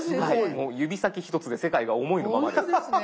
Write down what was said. もう指先ひとつで世界が思いのままです。